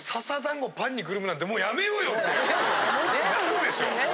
なるでしょ。